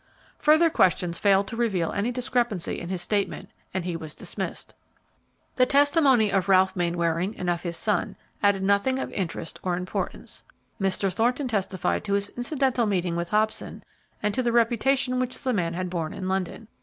Further questions failed to reveal any discrepancy in his statement, and he was dismissed. The testimony of Ralph Mainwaring and of his son added nothing of interest or importance. Mr. Thornton testified to his incidental meeting with Hobson and to the reputation which the man had borne in London.